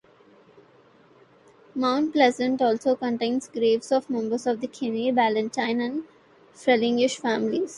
Mount Pleasant also contains graves of members of the Kinney, Ballantine, and Frelinghuysen families.